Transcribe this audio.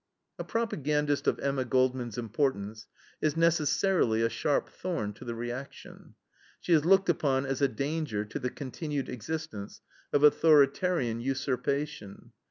A propagandist of Emma Goldman's importance is necessarily a sharp thorn to the reaction. She is looked upon as a danger to the continued existence of authoritarian usurpation.